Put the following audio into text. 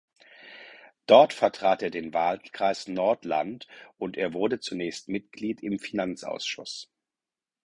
Dort vertrat er den Wahlkreis Nordland und er wurde zunächst Mitglied im Finanzausschuss.